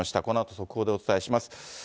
このあと速報でお伝えします。